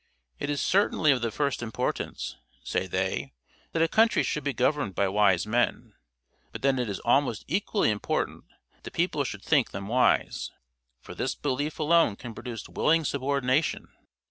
It is certainly of the first importance, say they, that a country should be governed by wise men; but then it is almost equally important that the people should think them wise; for this belief alone can produce willing subordination.